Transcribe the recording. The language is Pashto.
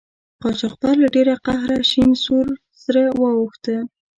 قاچاقبر له ډیره قهره شین سور سره اوښته.